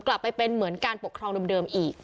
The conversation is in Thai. กลับไปเป็นเหมือนการปกครองเดิมอีก